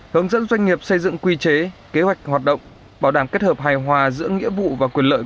hướng dẫn doanh nghiệp xây dựng quy chế kế hoạch hoạt động bảo đảm kết hợp hài hòa giữa nghĩa vụ và quyền lợi